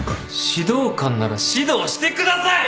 指導官なら指導してください！